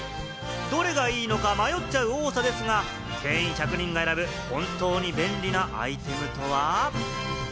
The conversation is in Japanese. どれがいいのか迷っちゃう多さですが、店員１００人が選ぶ本当に便利なアイテムとは？